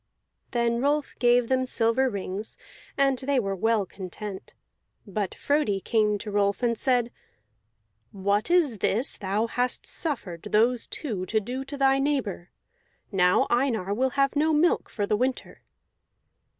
Then Rolf gave them silver rings, and they were well content. But Frodi came to Rolf, and said: "What is this thou hast suffered those two to do to thy neighbor? Now Einar will have no milk for the winter."